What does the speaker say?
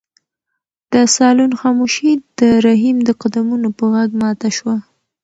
د صالون خاموشي د رحیم د قدمونو په غږ ماته شوه.